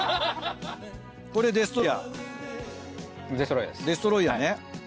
これデストロイヤー？